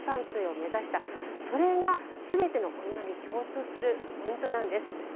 それが全てのお庭に共通するポイントなんです。